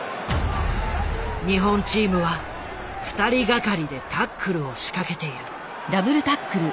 日本チームは２人がかりでタックルを仕掛けている。